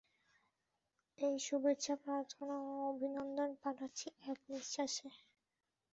এই শুভেচ্ছো, প্রার্থনা ও অভিনন্দন পাঠাচ্ছি এক নিঃশ্বাসে।